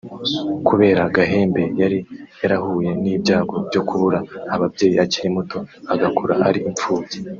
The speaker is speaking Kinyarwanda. kubera Gahemba yari yarahuye n’ibyago byo kubura ababyeyi akiri muto agakura ari imfubyi